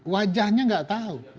wajahnya nggak tahu